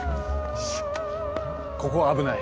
ここは危ない。